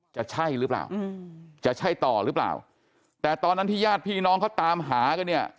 จะใช่หรือเปล่าจะใช่ต่อหรือเปล่าแต่ตอนนั้นที่ญาติพี่น้องเขาตามหากันเนี่ย